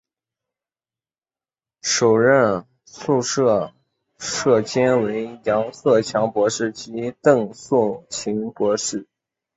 首任宿舍舍监为杨鹤强博士及邓素琴博士。